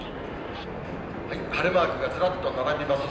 晴れマークがずらっと並びます。